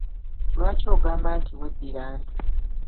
Lwaki ogamba nti weddira nte?